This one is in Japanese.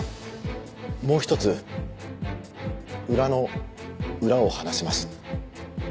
もう一つ裏の裏を話します。